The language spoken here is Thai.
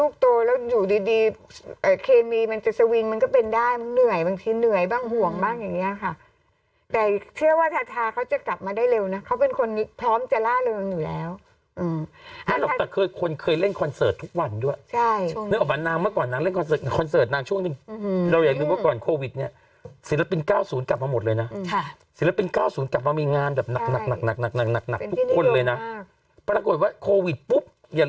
อ๋ออ๋อคุณเพื่อนก็เป็นกำลังใจส่งกำลังใจให้